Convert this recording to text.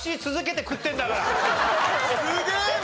すげえわ！